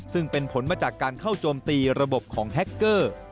ซึ่งเป็นผลมาจากการเข้าโจมตีระบบของแฮคเกอร์